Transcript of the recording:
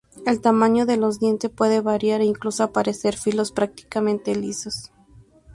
El tamaño de los dientes puede variar, e incluso aparecer filos prácticamente lisos.